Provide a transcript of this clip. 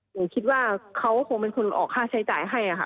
หนูคิดว่าเขาคงเป็นคนออกค่าใช้จ่ายให้ค่ะ